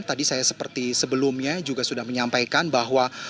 tadi saya seperti sebelumnya juga sudah menyampaikan bahwa